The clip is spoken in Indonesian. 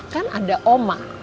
kan ada oma